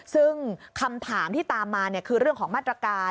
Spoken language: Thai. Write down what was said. ซึ่งคำถามที่ตามมาคือเรื่องของมาตรการ